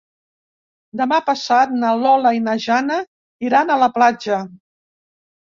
Demà passat na Lola i na Jana iran a la platja.